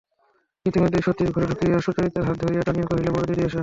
ইতিমধ্যে সতীশ ঘরে ঢুকিয়া সুচরিতার হাত ধরিয়া টানিয়া কহিল, বড়দিদি, এসো।